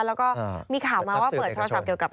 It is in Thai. แล้วก็มีข่าวมาว่าเปิดโทรศัพท์เกี่ยวกับ